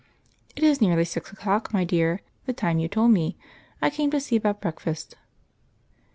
"It is nearly six o'clock, my dear the time you told me. I came to see about breakfast."